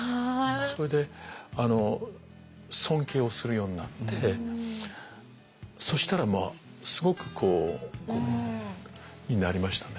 それで尊敬をするようになってそしたらすごくこうになりましたね。